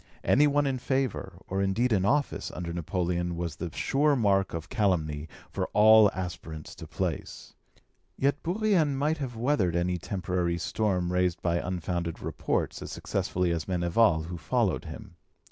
Any one in favour, or indeed in office, under Napoleon was the sure mark of calumny for all aspirants to place; yet Bourrienne might have weathered any temporary storm raised by unfounded reports as successfully as Meneval, who followed him.